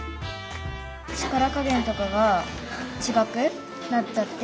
力加減とかがちがくなっちゃって。